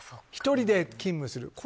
１人で勤務する。